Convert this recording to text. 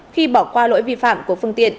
khi bỏ qua lỗi vi phạm của phương tiện